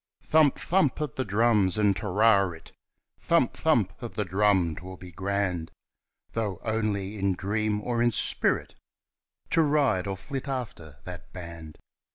Thump ! thump ! of the drums and "Te ri rit," Thump ! thump ! of the drum 'twill be grand, Though only in dream or in spirit To ride or flit after that band